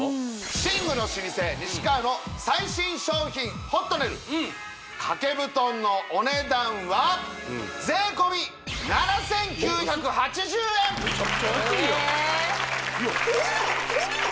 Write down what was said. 寝具の老舗西川の最新商品ホットネル掛布団のお値段はメチャクチャ安いやんえっ